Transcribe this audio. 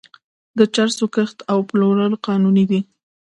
د چرسو کښت او پلور قانوني دی.